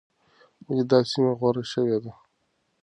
ولې دا سیمه غوره شوې ده؟